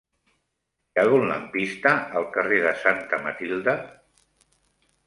Hi ha algun lampista al carrer de Santa Matilde?